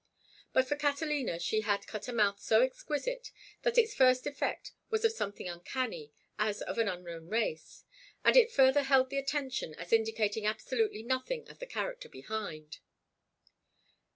But for Catalina she had cut a mouth so exquisite that its first effect was of something uncanny, as of an unknown race, and it further held the attention as indicating absolutely nothing of the character behind.